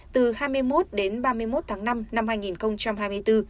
từ hai mươi một đến ba mươi một tháng năm năm hai nghìn hai mươi bốn